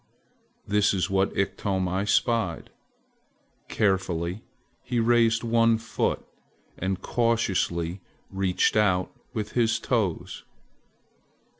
this is what Iktomi spied. Carefully he raised one foot and cautiously reached out with his toes.